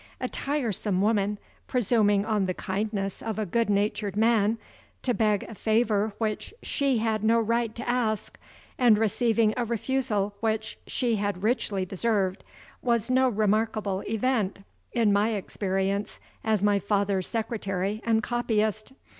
A tiresome woman, presuming on the kindness of a good natured man to beg a favor which she had no right to ask, and receiving a refusal which she had richly deserved, was no remarkable event in my experience as my father's secretary and copyist.